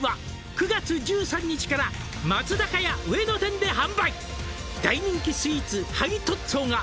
「９月１３日から松坂屋上野店で販売」「大人気スイーツはぎトッツォが」